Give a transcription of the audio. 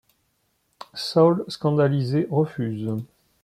Saul scandalisé refuse.